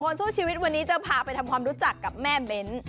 สู้ชีวิตวันนี้จะพาไปทำความรู้จักกับแม่เบ้น